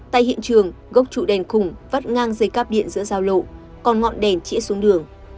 tại hiện trường gốc trụ đèn khủng vắt ngang dây cắp điện giữa giao lộ còn ngọn đèn trễ xuống đường